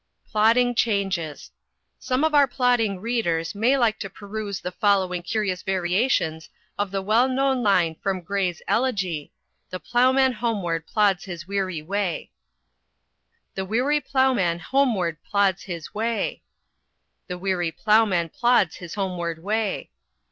PLODDING CHANGES. Some of our plodding readers may like to peruse the following curious variations of the well known line from Gray's "Elegy," "The ploughman homeward plods his weary way": The weary ploughman homeward plods his way. The weary ploughman plods his homeward way.